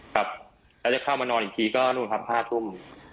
ครับแล้วจะเข้ามานอนอีกทีก็นู่นครับ๕ทุ่ม